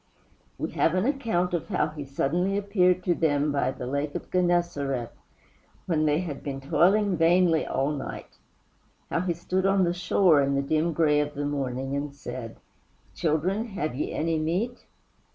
We have an account of how he suddenly appeared to them by the Lake of Genesareth, when they had been vainly toiling all night how he stood on the shore in the dim gray of morning and said, "Children, have ye any meat?"